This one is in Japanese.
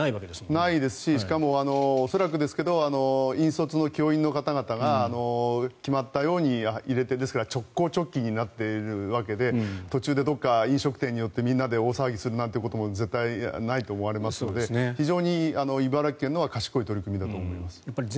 ないですししかも、恐らくですが引率の教員の方々が決まったように入れてですから、直行直帰になっているわけで途中でどこか飲食店に寄ってみんなで大騒ぎするなんていうことも絶対にないと思われますので非常に茨城県のは賢い取り組みだと思います。